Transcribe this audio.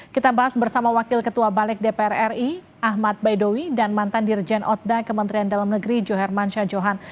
kita bahas bersama wakil ketua balik dpr ri ahmad baidowi dan mantan dirjen otda kementerian dalam negeri johermansyah johan